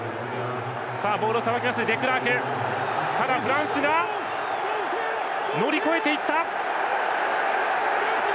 フランスが乗り越えていった。